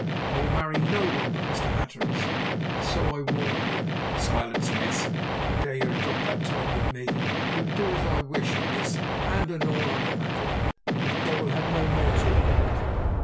I will marry no one but Mr. Hatteras, and so I warn you." "Silence, Miss! How dare you adopt that tone with me! You will do as I wish in this and all other matters, and so we'll have no more talk about it.